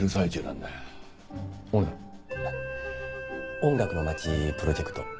「音楽のまちプロジェクト」。